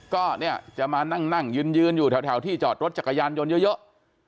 ก็เนี่ยจะมานั่งยืนอยู่แถวที่จอดรถจักรยานยนต์เยอะ